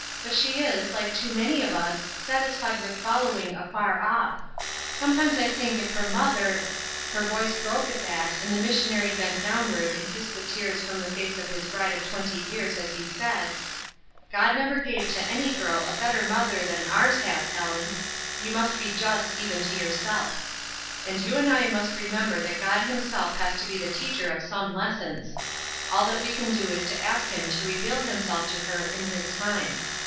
"But she is, like too many of us, satisfied with follow ing 'afar off.' Sometimes I think if her mother —" her voice broke at that, and the missionary bent downward and kissed the tears from the face of his bride of twenty years as he said :— "God never gave to any girl a better mother than ours has, Helen. You must be just even to yourself. And you and I must remem ber that God Himself has to be the teacher of some lessons. All that we can do is to a^ Him to reveal Himself to her in His time.